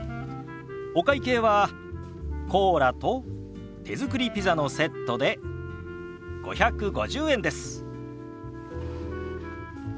お会計はコーラと手作りピザのセットで５５０円です。